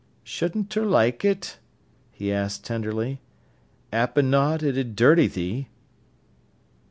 "Shouldn't ter like it?" he asked tenderly. "'Appen not, it 'ud dirty thee."